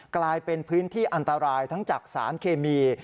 กลายเป็นพื้นที่อันตรายทั้งจากสารเคมี